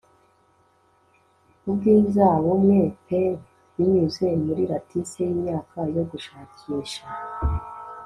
Ubwiza bumwe peepd binyuze muri lattice yimyaka yo gushakisha